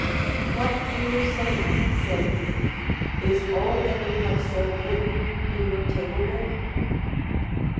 AVhat do you say, said he, is all that you have said written in your table book